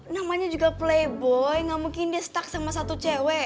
namanya juga playboy gak mungkin di stuck sama satu cewek